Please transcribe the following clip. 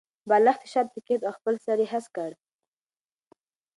بالښت یې شاته کېښود او خپل سر یې هسک کړ.